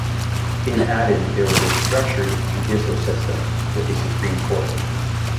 In Aden, there was a structured judicial system with a supreme court.